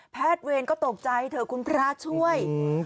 แพทย์เวรก็ตกใจเธอคุณพระช่วย